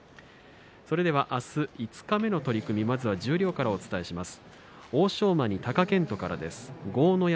明日、五日目の取組まずは十両からお伝えします。